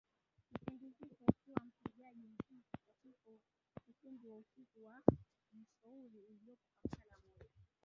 kipindi hicho akiwa mpigaji mziki katika ukumbi wa usiku wa Missouri uliopo Kampala Moja